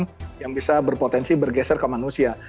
karena kita berpotensi bergeser ke manusia